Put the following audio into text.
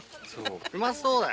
うまそうだよ